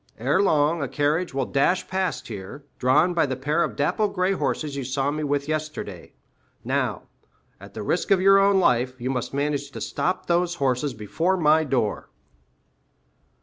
Ere long a carriage will dash past here, drawn by the pair of dappled gray horses you saw me with yesterday; now, at the risk of your own life, you must manage to stop those horses before my door."